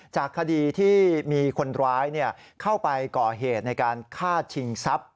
จากคดีที่มีคนร้ายเข้าไปก่อเหตุในการฆ่าชิงทรัพย์